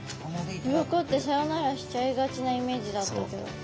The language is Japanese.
鱗ってさよならしちゃいがちなイメージだったけど。